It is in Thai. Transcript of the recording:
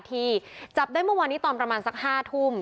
ที่จับได้เมื่อวานนี้ตอนประมาณสัก๕ทุ่ม